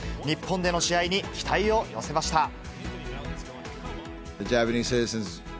日本での試合に期待を寄せました。